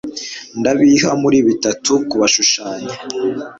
Ndabiha muri bitatu kubashushanya